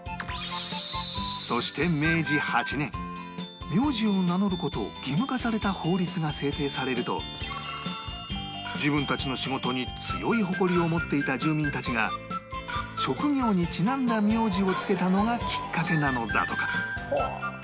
そして明治８年名字を名乗る事を義務化された法律が制定されると自分たちの仕事に強い誇りを持っていた住民たちが職業にちなんだ名字を付けたのがきっかけなのだとか